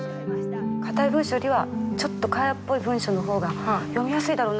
硬い文章よりはちょっと会話っぽい文章の方が読みやすいだろうな。